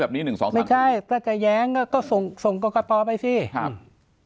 หนึ่งสองสามไม่ใช่ถ้าจะแย้งก็ก็ส่งส่งกรกตไปสิครับ